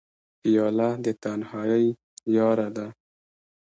پیاله د تنهایۍ یاره ده.